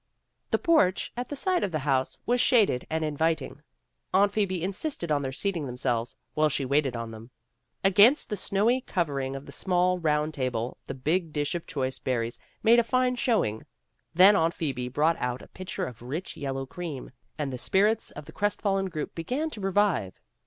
The porch at the side of the house was shaded and inviting. Aunt Phoebe insisted on their seating themselves, while she waited on them. Against the snowy covering of the small, round table, the big dish of choice berries made a fine showing. Then Aunt Phoebe brought out a pitcher of rich yellow cream, and the spirits of the crest fallen group began to revive.